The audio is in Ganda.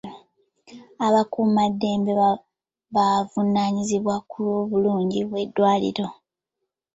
Abakuumaddembe bavunaanyizibwa ku lw'obulungi bw'eddwaliro.